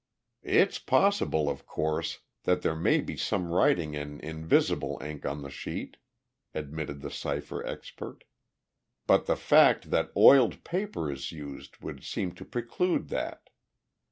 "It's possible, of course, that there may be some writing in invisible ink on the sheet," admitted the cipher expert. "But the fact that oiled paper is used would seem to preclude that.